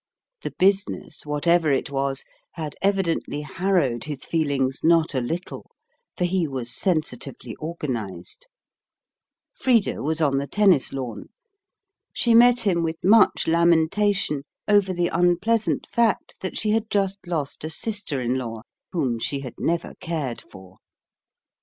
The business, whatever it was, had evidently harrowed his feelings not a little, for he was sensitively organised. Frida was on the tennis lawn. She met him with much lamentation over the unpleasant fact that she had just lost a sister in law whom she had never cared for.